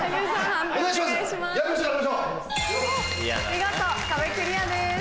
見事壁クリアです。